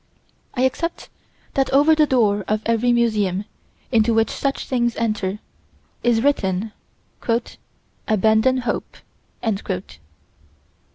I accept that over the door of every museum, into which such things enter, is written: "Abandon Hope."